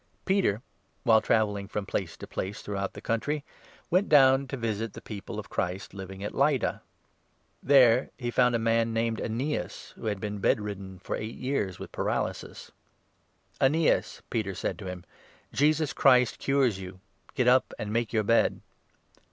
Peter, while travelling from place to place 32 MiTac*««"at throughout the country, went down to visit the Lydda People of Christ living at Lydda. There he found 33 and jatra. a jjj^ named Aeneas, who had been bed ridden for eight years with paralysis. "Aeneas," Peter said to him, "Jesus Christ cures you. Get 34 up, and make your bed."